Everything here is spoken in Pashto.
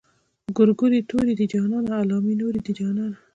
ګورګورې تورې دي جانانه علامې نورې دي جانانه.